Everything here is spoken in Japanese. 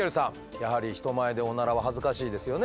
やはり人前でオナラは恥ずかしいですよね？